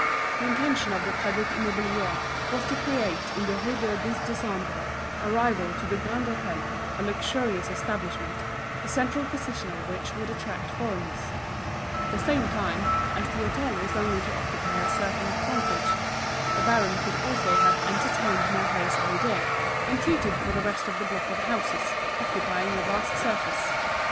The intention of the Crédit Immobilier was to create in the Rue du Dix Décembre a rival to the Grand Hôtel, a luxurious establishment, the central position of which would attract foreigners. At the same time, as the hôtel was only to occupy a certain, frontage, the baron could also have entertained Mouret's idea, and treated for the rest of the block of houses, occupying a vast surface.